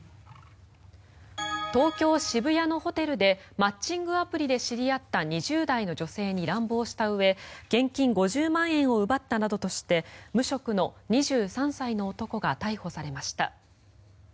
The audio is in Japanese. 東京・渋谷のホテルでマッチングアプリで知り合った２０代の女性に乱暴したうえ現金５０万円を奪ったなどとして無職の２３歳の男が逮捕されました。